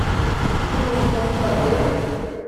Tzemreḍ ad t-tagiḍ?